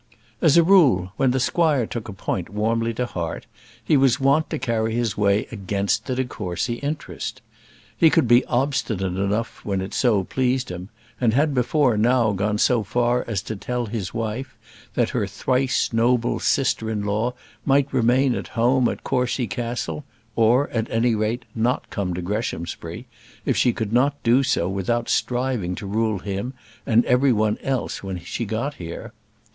As a rule, when the squire took a point warmly to heart, he was wont to carry his way against the de Courcy interest. He could be obstinate enough when it so pleased him, and had before now gone so far as to tell his wife, that her thrice noble sister in law might remain at home at Courcy Castle or, at any rate, not come to Greshamsbury if she could not do so without striving to rule him and every one else when she got here.